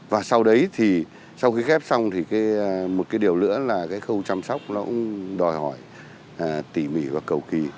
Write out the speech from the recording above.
và sau đấy thì sau khi ghép xong thì một cái điều nữa là cái khâu chăm sóc nó cũng đòi hỏi tỉ mỉ và cầu kỳ